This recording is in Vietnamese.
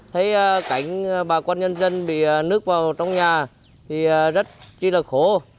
thấy cảnh bà con nhân dân bị nước vào trong nhà thì rất là khổ